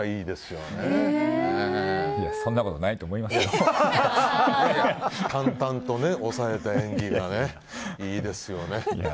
いや、そんなことないと淡々と抑えた演技がいいですよね。